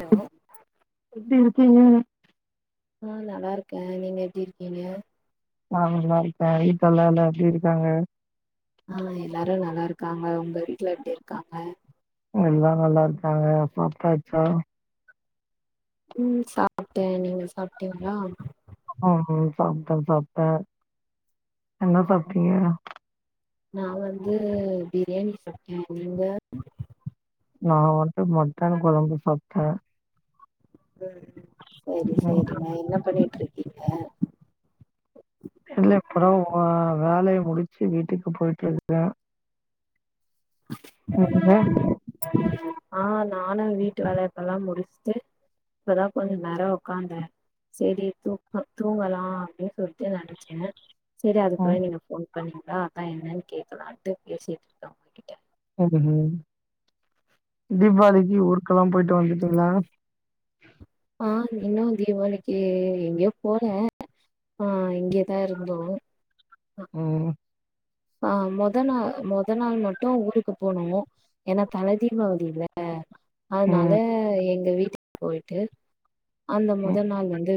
Hello எப்டி இருக்கிங்க ஆ நல்லா இருக்க நீங்க எப்டி இருக்கீங்க நா நல்லா இருக்க வீட்லலா எல்லா எப்டி இருக்காங்க ஆ எல்லாரு நல்லா இருக்காங்க உங்க வீட்ல எப்டி இருக்காங்க எல்லா நல்லா இருக்காங்க சாப்ட்டாச்சா உம் சாப்ட்ட நீங்க சாப்ட்டீங்களா ம் சாப்ட்ட சாப்ட்டே என்ன சாப்ட்டீங்க நா வந்து பிரியாணி சாப்ட்ட நீங்க நா வன்ட்டு மொட்டன் குலம்பு சாப்ட்ட ம் செரி ம் செரி நா என்ன பண்ணிட்டு இருக்கீங்க இல்ல இப்போதா வேலயா முடுச்சு வீட்டுக்கு போயிட்டு இருக்கே நீங்க ஆ நானு வீட்டு வேல இப்ப எல்லா முடிஸ்ட்டு இப்பதா கொஞ்சோ நேரோ உக்காந்த செரி தூக்க தூங்கலா அப்டின்னு சொல்லிட்டு நினச்ச செரி ம் அதுக்குள்ளே நீங்க போன் பண்ணீங்களா அதா என்னன் கேக்கலான்ட்டு பேசிட்டு இருக்கங்க ம்ம் தீபாவளிக்கு ஊருக்கெல்லா போயிட்டு வந்துட்டீங்களா ஆ இன்னு தீபாவளிக்கு எங்கேயோ போல ஆ இங்கேயேதா இருந்தோ ஓ ஆ மொத நா மொத நாள் மட்டு ஊருக்கு போனு என்னா தல தீபாவளில்ல அதனால ம் எங்க வீட்டுக்கு போயிட்டு அந்த ம் மொதல் நாள் வந்து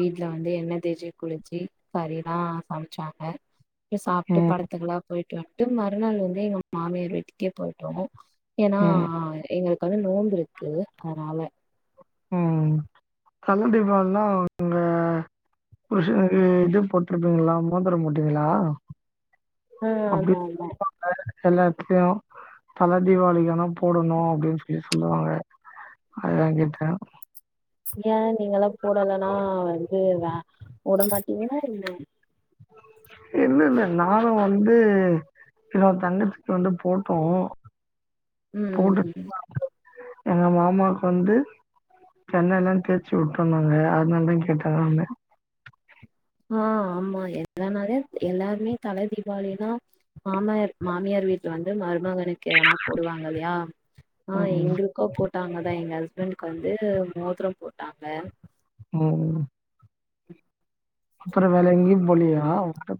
வீட்டுல வந்து என்ன தேச்சி குளிச்சி கரிலா சமச்சாங்க சாப்ட்டு ம் படுத் நல்லா போய்ட்டு வட்டு மறுநாள் வந்து எங்க மாமியார் வீட்டுக்கே போய்ட்டோ ஏன்னா ம் எங்களுக்கு வந்து நோம்பு இருக்கு அதனால உம் தல தீபாவளின்னா உங்க புருஷனுக்கு இது போட்ருப்பீங்ளா மோதிரோ போட்டீங்ளா ஆ அப்டி ஆமா ஆமா [unintelligible] எல்லாத்தலயு தல தீவாளிக்குவேனா போடணு அப்டினு சொல்லி சொல்லுவாங்க அதாங்கேட்டே ஏ நீங்கல்லா போடலனா வந்து வே போட மாட்டீங்ளா என்ன இல்ல இல்ல நானு வந்து என்னோட தங்கச்சிக்கு வந்து போட்டோ ம் போட்டு ம் எங்க மாமாக்கு வந்து சென்னைல்லாதேச்சி விட்டோனாங்க அதனால தா கேட்டே வேரொணுல்ல ஆ ஆமா எல்லனாலே எல்லாருமே தல தீபாவளிதா மாமயார் மாமியார் வீட்டு வந்து மருமகனுக்கு எதனா போடுவாங்க இல்லயா ஆ ம், எங்களுக் அக்கோ போட்டாங்கதா எங்க ஹஸ்பண்ட்க்கு வந்து மோதிரோ போட்டாங்க உம் அப்புற வேற எங்கேயு போலயா ஒரு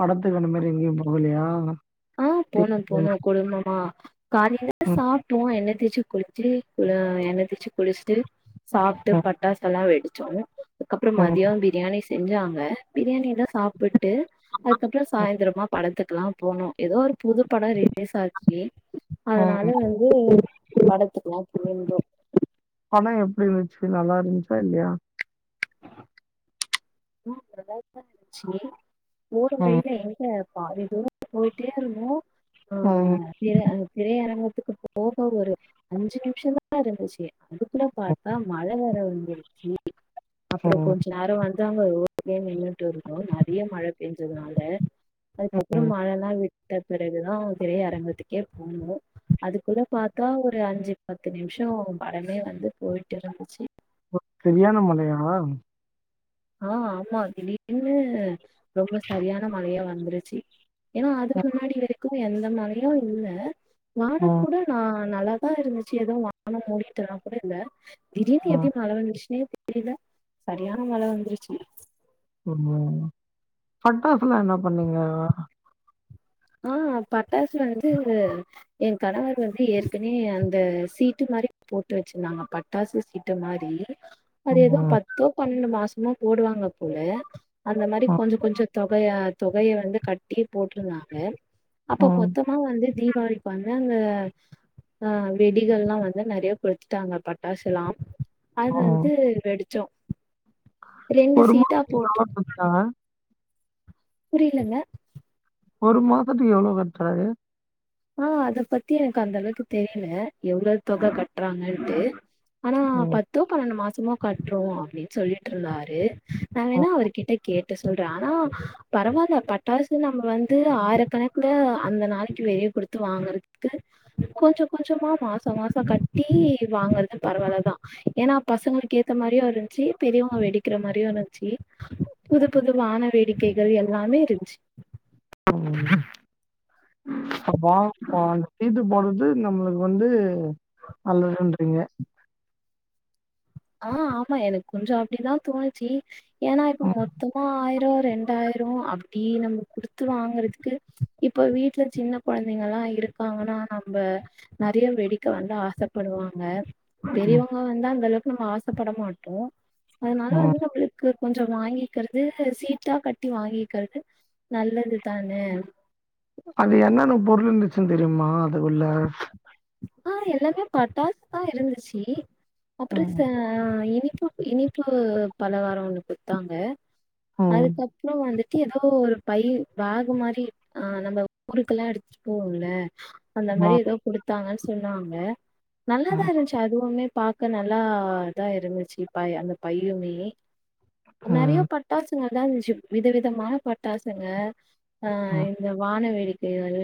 படத்துக்கு அந்த மாரி எங்கேயு போகலயா ஆ போனோ போனோ குடும்பமா காலில ம், சாப்டுவோ எண்ண தேச்சு குளி சு எண்ண தேச்சு குளிச்சுட்டு சாப்ட்டு ம், பட்டாசெல்லா வெடிச்சோ அப்புறோ ம், மதியோ பிரியாணி செஞ்சாங்க பிரியாணி சாப்புட்டு அதுக்கப்புறோ சாயிந்திரமா படத்துக்குல்லா போனோ எதோ ஒரு புது படோ ரிலீஸ் ஆச்சு அதனால ம். வந்து படத்துக்கலா போயிருந்தோ படோ எப்டி இருந்துச்சு நல்லா இருந்துச்சா இல்லயா உ நல்லா தா இருந்துச்சு போற ம், வழியில எங்க பாதி தூரோ போய்ட்டே இருந்தோ உம் திர அந்த திரையரங்கத்துக்கு போக ஒரு அஞ்சு நிமிஷோ தா இருந்துச்சு அதுக்குல ம். பாத்தா மழ வேற வந்துருச்சு அப்புறோ ம். கொஞ்ச நேரோ வந்து இப்டிதாங்க ஒவ்வொர் எடத்துலயா நின்னுட்டுருந்தோ நெறைய மழ பேஞ்சுதுனால அதுக்கப்புறோ மழலா விட்டு விட்ட பிறகுதா திரை அரங்கத்துக்கே போனோ அதுக்குள்ள பாத்தா ஒரு அஞ்சு பத்து நிமிஷோ படமே வந்து போய்ட்டு இருந்துச்சு ஓ செரியான மழயா ஆ ஆமா திடீர்னு ரொம்ப சரியான மழையா வந்துருச்சு ஏனா அதுக்கு முன்னாடி வரைக்கு எந்த மழயு இல்ல வானோ ம், கூட நா நல்லாதா இருந்துச்சு எதோ வானோ மூடிட்டுனா கூட இல்ல திடீர்ன்னு ம். எப்டி மழ வந்துச்சுன்னே தெரில சரியான மழ வந்துருச்சு ஓஹோ பட்டாசெல்லா என்ன பண்ணீங்க ஆ பட்டாச வந்து எ கணவர் வந்து ஏற்கனே அந்த சீட்டு மாரி போட்டு வச்சிருந்தாங்க பட் பட்டாசு சீட்டு மாரி அது ம் ஏதோ பத்தோ பன்னெண்டு மாசமோ போடுவாங்க போல அந்த மாரி ம் கொஞ்ச கொஞ்சோ தொகையா தொகைய வந்து கட்டி போட்ருந்தாங்க அப்போ ம் மொத்தமா வந்து தீபாளிக்கு வந்து அதாங்க ஆ வெடிகள்ல்லா வந்து நெறையா கொளித்திட்டாங்க பட்டாசுல்லா அது ம் வந்ட்டு வெடிச்சோ ரெண்டு ஒரு சீட்டா மாசத்துக்கு போட்டு எவ்ளோ கட்னாங்க? புரியலங்க ஒரு மாசத்துக்கு எவ்ளோ கட்ராரு ஆ அத பத்தி எனக்கு அந்த அளவுக்கு தெரியல எவ்ளோ தொகை கட்றாங்கன்ட்டு ஆனா ம் பத்தோ பன்னெண்டு மாசமோ கட்றோ அப்டினு சொல்லிட்டு இருந்தாரு நா வேணா ம் அவர்கிட்ட கேட்டு சொல்றே ஆனா பரவால்ல பட்டாசு நம்ம வந்து ஆயிரக்கணக்குல அந்த நாளைக்கு வெளிய குடுத்து வாங்கறதுக்கு கொஞ்சோ கொஞ்சோமா மாசோ மாசோ கட்டி வாங்குறது பரவாயில்ல தா ஏன்னா பசங்களுக்கு ஏத்த மாரியு இருந்த்ச்சு பெரியவங்க வெடிக்கிற மாரியு இருந்த்ச்சு புது புது வான வேடிக்கைகள் எல்லாமே இருன்ச்சு அப்போ [unintelligible] சீட்டு போடுறது நம்மளுக்கு வந்து நல்லதுன்றீங்க ஆ ஆமா எனக்கு கொஞ்சோ அப்டிதா தோணுச்சி ஏனா இப்ப ம் மொத்தமா ஆயிரோ ரெண் டாயிரோ அப்டி நம்ம குடுத்து வாங்றதுக்கு இப்ப வீட்ல சின்ன கொழந்தைங்கல்லா இருக்காங்கனா நம்ம நறையா வெடிக்க வந்து ஆசப்படுவாங்க ம் பெரியவங்க வந்து அந்த அளவுக்கு நம்ம ஆசப்பட மாட்டோ அதனால ம் வந்து நம்மளுக் கு கொஞ்சோ வாங்கிக்கறது சீட்டா கட்டி வாங்கிக்கறது நல்லதுதான அது என்னன பொருள் இருந்துச்சுனு தெரியுமா அது உள்ள ஆ எல்லாமே பட்டாசு தா இருந்துச்சு அப்றோ ச ம் ஆ இனிப்பு இனிப்பு பல காரோ ஒண்ணு குடுத்தாங்க ம் அதுக்கப் றோ வந்துட்டு ஏதோ ஒரு பய்யி பேகு மாரி ஆ நம்ம ஊருக்கெல்லா எடுத்து போவோல அந்த ஆமா மாரி ஏதோ குடுத்தாங்கன்னு சொன்னாங்க நல்லாதா இருந்துச்சு அதுவுமே பாக்க நல்லா இதா இருந்துச்சு பை அந்த பையுமே ம் நெறையா பட் டாசுங்க தா இருந்துச்சு விதவிதமான பட்டாசுங்க ஆ ம் இந்த வான வேடிக்கைகள்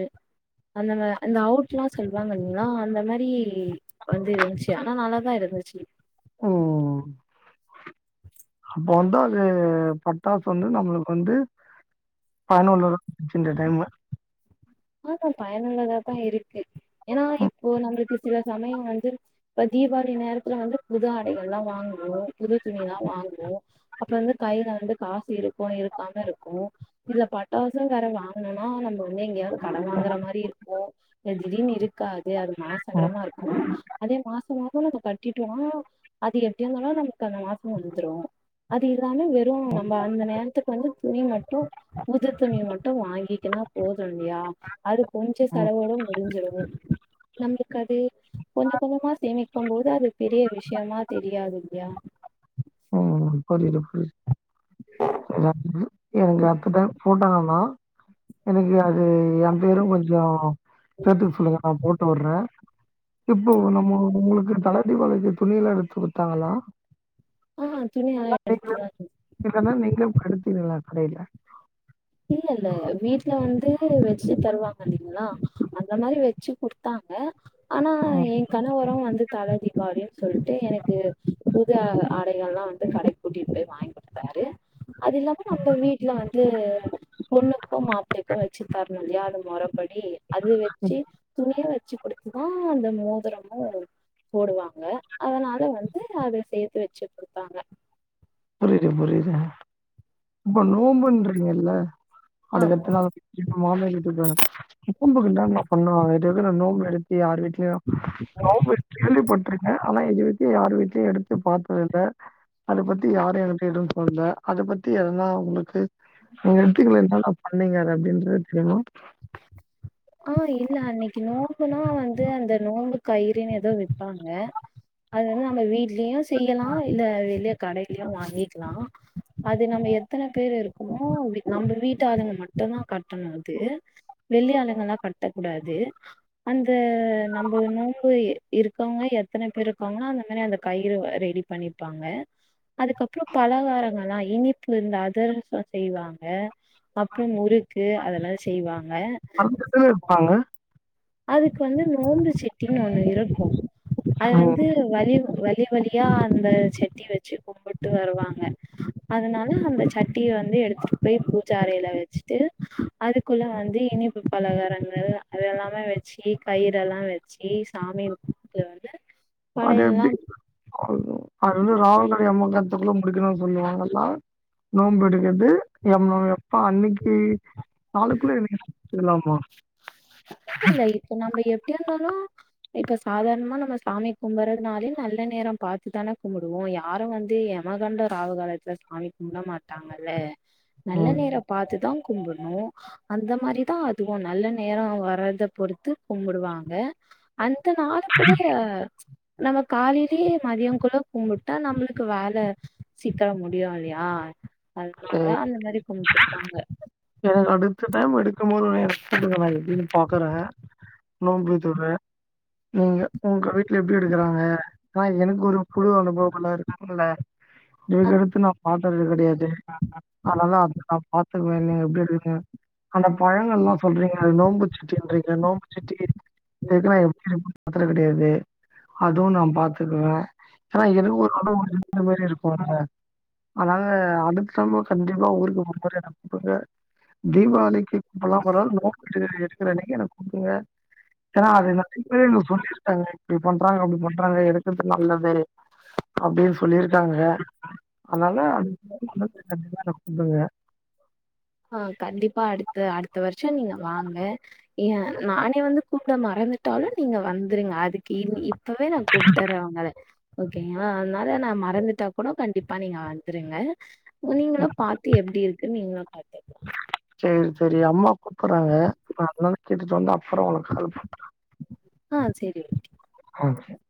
அந்த வ அந்த அவுட் லா சொல்லுவாங்க இல்லைங்ளா அந்த மாரி வந்து இருன்ச்சு ஆனா நல்லா தா இருந்துச்சு ம் அப்ப வந்து அது பட்டாசு வந்து நம்மளுக்கு வந்து பதினொன்னு தா ஆச்சு இந்த டைம் அ தா பயனுள்ளதா தா இருக்கு ஏனா இப்போ நம்மளுக்கு சில சமயோ வந்து இப்ப தீபாளி நேரதுல வந்து புது ஆடைகள் லா வாங்குவோ புது துணிலா வாங்குவோ அப்போ வந்து கைல வந்து காசு இருக்கு இருக்காம இருக்கு இதுல பட்டாசு வேற வாங்கனுனா நம்ம வந்து எங்யாது கடன் வாங்ற மாரி இருக்கு திடீர்னு இருக்காது அது ம் மாசக்கடனா இருக்கு அதே மாசோ மாசோ நாங்க கட்டிட்டோனா அது எப்டியாருந்தாலு நமக்கு அந்த மாசம் வந்த்ரு அது இது தானு வெரோ நம்ப அந்த நேரத்துக்கு வந்து துணிய மட்டோ புது துணிய மட்டோ வாங்கிக்கனா போது இல்லையா அது கொஞ்சோ ம் செலவோடோ முடிஞ்சிடுது நம்பளுக்கு அது கொஞ்ச கொஞ்மா சேமிக்கும் போது அது பெரிய விஷயமா தெரியாது இல்லயா ஆ கூட்டிட்டு போய் எங்க அத்த தா எங்க அத்த தா ஃபோட்டா வேணா எனக்கு அது எ பேரொ கொஞ்ச சேத் வுட சொல்லுங்க நா போட்டுவுர்ர இப்போ நம்ம உங்ளுக்கு தல தீபாவளிக்கி துணிலா எட்த்து குட்தாங்களா ஆ துணிலா எட்தாங்க இல்லானா நீங்ளோ படுத்திடலா கடையில இல்ல ல்ல வீட்ல வந்து வெச்சு தருவாங்க ல்லைங்ளா அந்த மாரி வெச்சு குத்தாங்க ஆனா ஓ கணவரோ வந்து தலை தீபாளினு சொல்ட்டு எனக்கு புது ஆடையெல்லா வந்து கடை கூட்டிட்டு போய் வாங்கி யாரு அது இல்லாம நம்ப வீட்டுல வந்து பொண்ணுக்கோ மாப்பிளைக்கோ வச்சு தரணும்ல்லையா அது முறைபடி அது வச்சு துணிய வச்சு குடுத்துதா அந்த மோதிரமும் போடனு போடுவாங்க அதனால வந்து அத சேத்து வச்சு கொடுத்தாங்க புரிது புரிது இப்ப நோம்புன்றீங்கல்ல அதுக்கு ஆமா அடுத்த நாள் இப்ப மாவு கட்டி முப்பம்புக்கு நா பண்ணலா நோம்பு எடுத்து அவர் பற்றி கேள்விபட்டிருக்கே ஆனா எது யார் வீட்லையும் எடுத்து பாத்துதல்ல அத பத்தி யாரு எனக்கு எதுவு சொல்ல அதை பத்தி ஏனா உங்களுக்கு உங்க எட்த்துக்கலா என்னன்ன பண்ணீங்க அப்படின்றதது தெரியனு அ இல்ல அன்னக்கி நோம்புனா வந்து அந்த நோம்பு கயிறுனு எதோ விப்பாங்க அது வந்து நம்ம வீட்லயு செய்யலா இல்ல வெளிய கடையிலயு வாங்கிக்லா அது நம்ப எத்தனை பேரு இருக்ககோமோ நம்ம வீட்டாலுங்க மட்டு தா கட்ணோ அது வெளி ஆளுங்கலா கட்ட கூடாது அந்த நம்ப நோக்கோ இருக்கவங்க எத்தனை பேர் இருப்பாங்கனா அந்த மாரி அந்த கயிறு ரெடி பண்ணிப்பாங்க அதுக்கப்றோ பலகாரங்கலா இனிப்பு இருந்து அதரசம் செய்வாங்க அப்புறோ முறுக்கு அதெல்லா செய்வாங்க விருவிருப்பாங்க அதுக்கு வந்து நோம்பு செட்டின்னு ஒண்ணு இருக்ககோ அது ம். வந்து வலி வளி வளியா அந்த செட்டி வச்சு கும்பிட்டு வருவாங்க அதனால அந்த சட்டிய வந்து எடுத்ட்டு போய் பூஜ அறையில வச்சட்டு அதுகுள்ள வந்து இனிப்பு பலகாரங்கள் அதெல்லாம் வச்சி கயிற எல்லாம் வச்சி சாமி முன்னாடி வந்து அது படையெல்லா எப்டி அது வந்து ராவுகால் எமகன்டதூக்குள்ள முடிக்கணுன்னு சொல்வாங்களா நோம்பு எடுக்றது நம்ப எப்பா அன்னிக்கி நாளுகுள்ள சொல்லலாம இல்ல இல்ல இப்ப நம்ப எப்படி இருந்தாலோ இப்ப சாதாரணமா நம்ம சாமி கும்புறதுனாலே நல்ல நேரம் பாத்து தானே கும்புடுவோ யாரு வந்து மாகண்ட ராவு காலத்துல சாமி கும்ட மாட்டாங்கல்ல நல்ல ம் நேர பாத்துதா கும்புட்ணு அந்த மாரிதா அதுவு நல்ல நேர வர் வரத பொறுத்து கும்புடுவாங்க அந்த நாளுகுட நம்ம காலையிலயே மதியங்குள்ள கும்புட்டா நம்முளுக்கு வேல சீக்கர முடியுல்லியா அதுனால அந்த மரி கும்புட்டுப்பாங்க எனக் அடுத்த டைம் எடுக்கும்போது ஒனைய எடுத்துட்ட மாரி ன்னு பாக்குறே நோன்பு தொற நீங்க ஒங்க வீட்ல எப்டிருக்றாங்க நா எனக் ஒரு புது அனுபவமலா இருக்குல்ல இதுகடுத்து நா பாத்தது கெடையாதே அனதா நா பாத்துக்குவேனே எப்டி இருக்கிங்க அந்த பழங்கல்லா சொல்றீங்க அது நோம்புச்சட்டின்றீங்க நோம்புச்சட்டி அந்த இதுல்லா எப்டி இருக்கூன் பாத்தது கடையாது அதுவு நா பாத்துருவ ஆனா ஏதோ ஒர் [unintelligible] இருக்குல்ல அதனால அடுக் தரவ கண்டிப்பா ஊருக்கு ஒரு முறை என்ன கூப்டுங்க தீவாளிக்கி கூப்புல்லனா பரவால்ல நோம்பு எடு எடுக்கறன்னக்கி என்ன கூப்டுங்க ஏனா அத [inaudible] எனக் சொல்லிருக்காங்க இப்டி பண்றாங்க அப்டி பண்றாங்க எடுக்குறது நல்லது அப்டின் சொ சொல்லிருக்காங்க அனால [inaudible] கண்டிப்பா என்ன கூப்டுங்க அ கண்டிப்பா அடுத்த அடுத்த வர்ஷொ நீங்க வாங்க ஏ நானே வந்து கூப்ட மறந்துட்டாலு நீங்க வந்துருங்க அதுக்கு இன் இப் பவே நா கூப்ட்டர்ற ஒங்கள ஓகேங்களா அனால நா மறந்துட்டாக் கூடொ கண்டிப்பா நீங்க வந்துருங்க நீங்களும் பாத்து எப்டி இருக்குன் நீங்களு பாத்துக்லா சேரி சேரி அம்மா கூப்புர்றாங்க நா என்னான் கேட்டுட்டு வந்து அப்பறொ ஒங்குளுக் கால் பண்ற அ சேரி [inaudible]